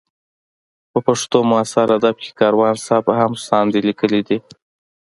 په پښتو معاصر ادب کې کاروان صاحب هم ساندې لیکلې دي.